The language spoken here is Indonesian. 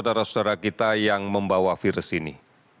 kita banyak saudara saudara kita yang membawa virus ini